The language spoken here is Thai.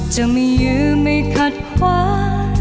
จะไม่ยืมไม่คัดความ